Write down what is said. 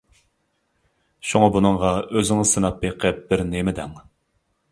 شۇڭا بۇنىڭغا ئۆزىڭىز سىناپ بېقىپ بىر نېمە دەڭ.